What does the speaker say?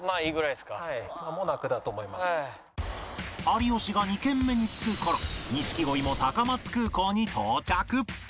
有吉が２軒目に着く頃錦鯉も高松空港に到着